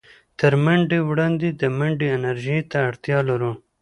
تر منډې وړاندې د منډې انرژۍ ته اړتيا لرو.